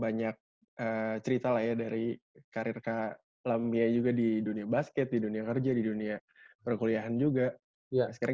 banyak cerita lah ya dari karir kalau i m via juga didunia base ke didunia ngejar lagi dunia perkuliahan juga